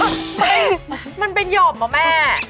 เฮ้ยมันเป็นหย่อมอะแม่